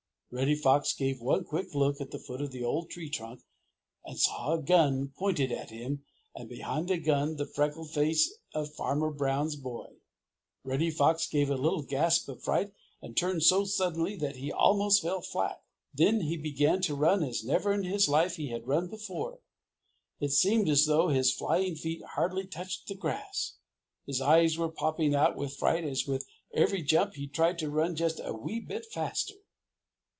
Reddy Fox gave one quick look at the foot of the old tree trunk and saw a gun pointed at him and behind the gun the freckled face of Farmer Brown's boy. Reddy Fox gave a little gasp of fright and turned so suddenly that he almost fell flat. Then he began to run as never in his life had he run before. It seemed as though his flying feet hardly touched the grass. His eyes were popping out with fright as with every jump he tried to run just a wee bit faster.